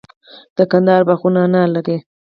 د کندهار باغونه انار دي